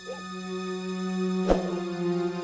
dan saya akan menemukan bung